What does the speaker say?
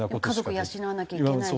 家族養わなきゃいけないし。